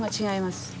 違います。